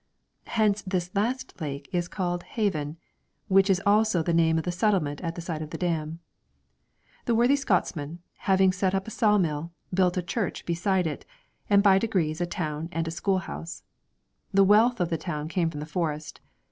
Hence this last lake is called Haven, which is also the name of the settlement at the side of the dam. The worthy Scotsmen, having set up a sawmill, built a church beside it, and by degrees a town and a schoolhouse. The wealth of the town came from the forest.